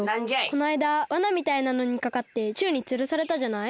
このあいだわなみたいなのにかかってちゅうにつるされたじゃない？